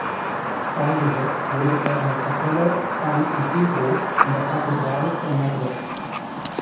Beigesetzt wurde er in der Kapelle "San Isidro" in der Kathedrale von Madrid.